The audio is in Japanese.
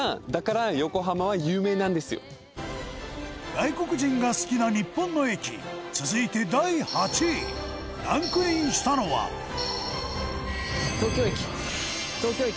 外国人が好きな日本の駅続いて、第８位ランクインしたのはウエンツ：東京駅！